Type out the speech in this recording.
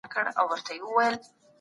ناهیلي مه کوئ او مخکي ولاړ سئ.